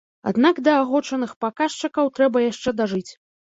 Аднак да агучаных паказчыкаў трэба яшчэ дажыць.